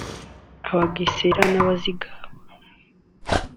Abagesera n’Abazigaba